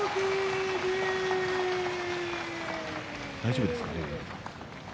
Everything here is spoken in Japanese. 大丈夫ですかね？